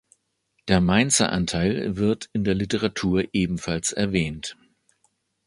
Der Mainzer Anteil wird in der Literatur ebenfalls erwähnt.